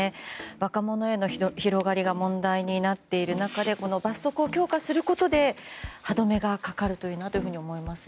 若者への広がりが問題になっている中でこの罰則を強化することで歯止めがかかるといいなと思います。